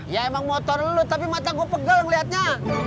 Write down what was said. ya emang motor lu tapi mata gue pegel ngelihatnya